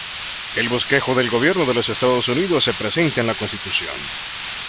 El bosquejo del gobierno de los Estados Unidos se presenta en la Constitución.